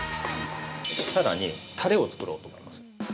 ◆さらにタレを作ろうと思います。